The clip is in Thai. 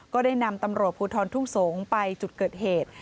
ก็ได้นำตำรวจภูทรทุ่งสงศ์ไปจุดเกิดเหตุ